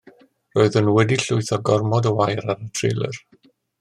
Roedden nhw wedi llwytho gormod o wair ar y trelyr.